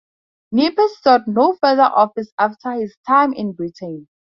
Nepos sought no further office after his time in Britain.